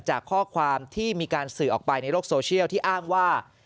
จากข้อความที่มีการสื่อออกไปในโลกโซเชียลที่อ้างว่า